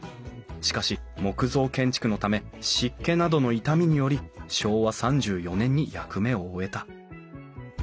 しかし木造建築のため湿気などの傷みにより昭和３４年に役目を終えた。